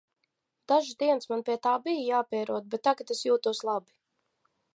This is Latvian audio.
Dažas dienas man pie tā bija jāpierod, bet tagad es jūtos labi.